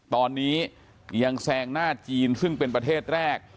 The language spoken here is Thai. ตอนนี้ยังแซงหน้าจีนซึ่งเป็นประเทศแรก